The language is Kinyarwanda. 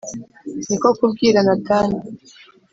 Ni ko kubwira Natani